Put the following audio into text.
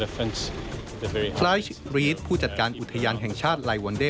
ไลฟ์ชรีดผู้จัดการอุทยานแห่งชาติไลวันเด้